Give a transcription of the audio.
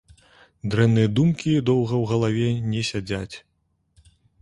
Дрэнныя думкі доўга ў галаве не сядзяць.